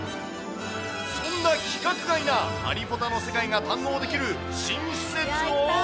そんな規格外なハリポタの世界が堪能できる新施設を。